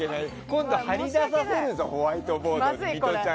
今度、貼り出させるぞホワイトボードに。